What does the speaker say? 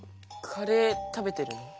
カレー食べてるの？